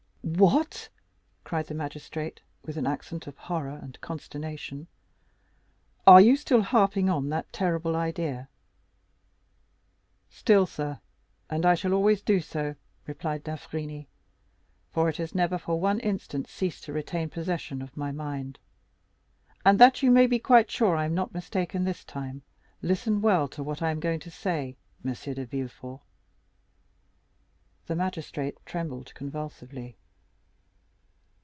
"What?" cried the magistrate, with an accent of horror and consternation, "are you still harping on that terrible idea?" "Still, sir; and I shall always do so," replied d'Avrigny, "for it has never for one instant ceased to retain possession of my mind; and that you may be quite sure I am not mistaken this time, listen well to what I am going to say, M. de Villefort." The magistrate trembled convulsively.